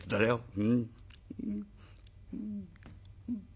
うん」。